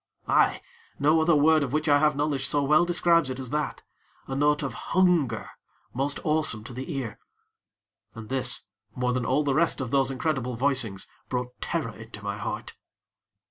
Aye! no other word of which I have knowledge so well describes it as that a note of hunger, most awesome to the ear. And this, more than all the rest of those incredible voicings, brought terror into my heart.